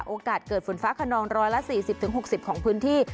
โอกาสเกิดฝนฟ้าขนอง๑๔๐๖๐ของพื้นที่